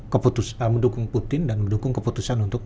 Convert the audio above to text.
mendukung putin dan mendukung keputusan untuk